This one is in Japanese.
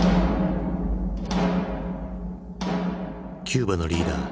キューバのリーダー